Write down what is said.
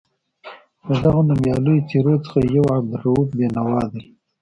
له دغو نومیالیو څېرو څخه یو عبدالرؤف بېنوا دی.